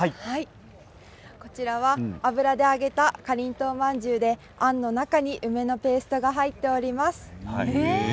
こちらは油で揚げたかりんとうまんじゅうであんの中に梅のペーストが入っております。